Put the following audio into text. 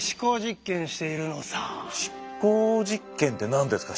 思考実験って何ですか？